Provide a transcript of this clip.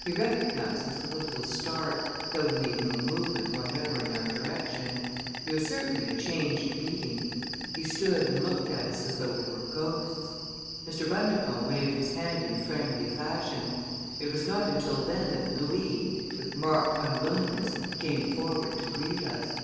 He recognized us with a little start, though he made no movement whatever in our direction. He was certainly a changed being. He stood and looked at us as though we were ghosts. Mr. Bundercombe waved his hand in friendly fashion. It was not until then that Louis, with marked unwillingness, came forward to greet us.